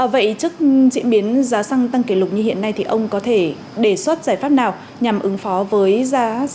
vậy trước diễn biến giá xăng tăng kỷ lục như hiện nay thì ông có thể đề xuất giải pháp nào nhằm ứng phó với giá